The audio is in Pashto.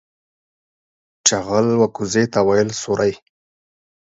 چغول و کوزې ته ويل سورۍ.